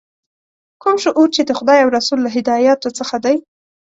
کوم شعور چې د خدای او رسول له هدایاتو څخه دی.